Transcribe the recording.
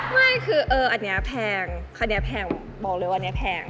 ไม่คืออันนี้แพงคันนี้แพงบอกเลยวันนี้แพง